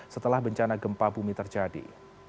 setelah bencana gempa bumi terjadi